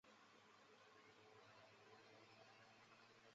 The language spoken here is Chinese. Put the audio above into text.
圆齿假瘤蕨为水龙骨科假瘤蕨属下的一个种。